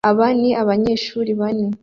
aba ni abanyeshuri bane